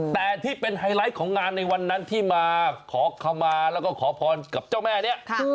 แต่ที่เป็นไฮไลท์ของงานในวันนั้นที่มาขอขมาแล้วก็ขอพรกับเจ้าแม่เนี่ย